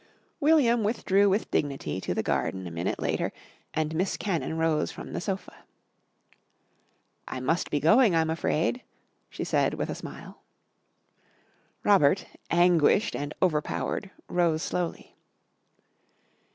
William withdrew with dignity to the garden a minute later and Miss Cannon rose from the sofa. "I must be going, I'm afraid," she said with a smile. Robert, anguished and overpowered, rose slowly.